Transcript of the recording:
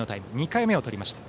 ２回目をとりました。